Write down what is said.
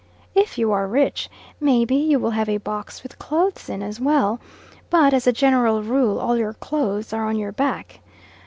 If you are rich, maybe you will have a box with clothes in as well, but as a general rule all your clothes are on your back.